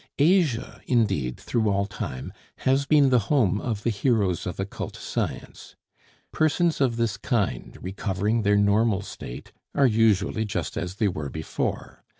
Asia, indeed, through all time, has been the home of the heroes of occult science. Persons of this kind, recovering their normal state, are usually just as they were before.